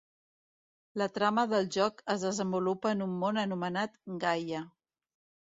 La trama del joc es desenvolupa en un món anomenat Gaia.